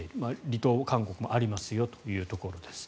離党勧告もありますよというところです。